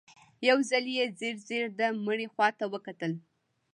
يو ځل يې ځير ځير د مړي خواته وکتل.